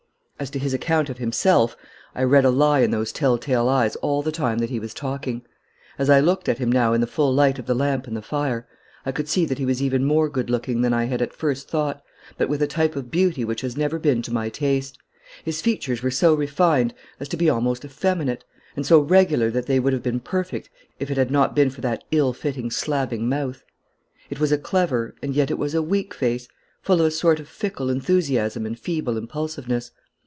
As to his account of himself, I read a lie in those tell tale eyes all the time that he was talking. As I looked at him now in the full light of the lamp and the fire, I could see that he was even more good looking than I had at first thought, but with a type of beauty which has never been to my taste. His features were so refined as to be almost effeminate, and so regular that they would have been perfect if it had not been for that ill fitting, slabbing mouth. It was a clever, and yet it was a weak face, full of a sort of fickle enthusiasm and feeble impulsiveness.